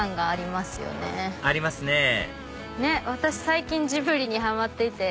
最近ジブリにハマっていて。